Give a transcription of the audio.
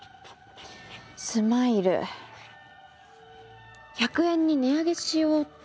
スマイル１００円に値上げしようっと。